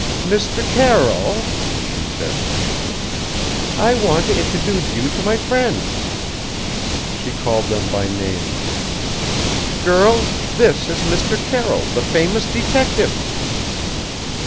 "Mr. Carroll," she said sweetly, "I want to introduce you to my friends." She called them by name. "Girls, this is Mr. Carroll, the famous detective!"